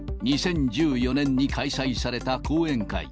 ２０１４年に開催された講演会。